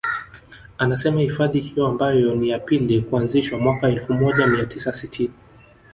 Anasema hifadhi hiyo ambayo ni ya pili kuanzishwa mwaka elfu moja mia tisa sitini